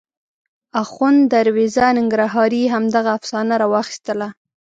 اخوند دروېزه ننګرهاري همدغه افسانه راواخیستله.